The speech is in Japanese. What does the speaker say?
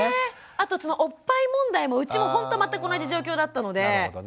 あとそのおっぱい問題もうちもほんと全く同じ状況だったので。